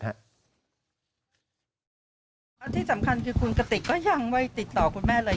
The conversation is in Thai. แล้วที่สำคัญคือคุณกติกก็ยังไม่ติดต่อคุณแม่เลย